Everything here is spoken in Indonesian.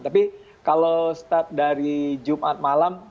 tapi kalau start dari jumat malam